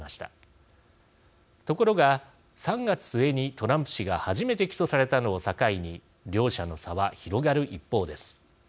ところが３月末にトランプ氏が初めて起訴されたのを境に両者の差は広がる一方です。